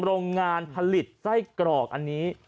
โรงงานผลิตไส้กรอกอันนี้